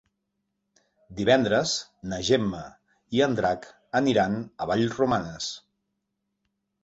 Divendres na Gemma i en Drac aniran a Vallromanes.